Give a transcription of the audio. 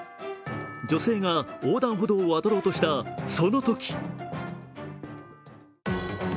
女性が横断歩道を渡ろうとしたそのとき